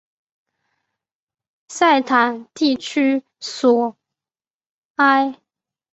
塞坦地区索埃。